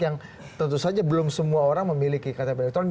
yang tentu saja belum semua orang memiliki ktp elektronik